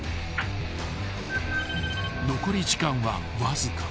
［残り時間はわずか］